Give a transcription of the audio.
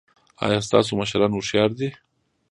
ایا ستاسو مشران هوښیار دي؟